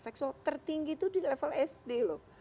seksual tertinggi itu di level sd loh